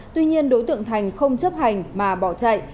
tuy nhiên đối tượng thành không chấp hành mà bỏ chạy